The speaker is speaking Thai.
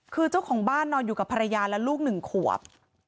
คือเจ้าของบ้านนอนอยู่กับภรรยาและลูก๑ขวบ